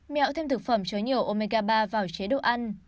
mẹo thêm thực phẩm chứa nhiều omega ba vào chế độ ăn